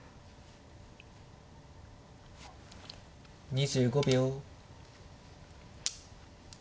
２５秒。